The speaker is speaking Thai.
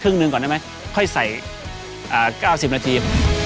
ครึ่งหนึ่งก่อนได้ไหมค่อยใส่อ่าเก้าสิบนาที